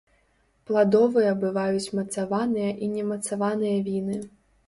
Пладовыя бываюць мацаваныя і немацаваныя віны.